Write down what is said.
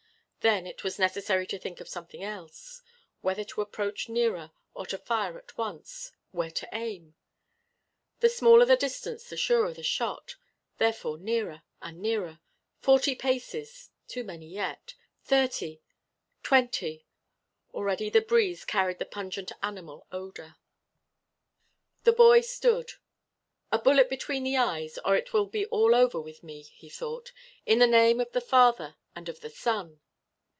Then it was necessary to think of something else. Whether to approach nearer or to fire at once; where to aim. The smaller the distance the surer the shot therefore nearer and nearer! forty paces, too many yet; thirty! twenty! Already the breeze carried the pungent animal odor. The boy stood. "A bullet between the eyes, or it will be all over with me," he thought. "In the name of the Father and of the Son